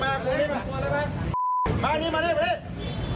มานี่มานี่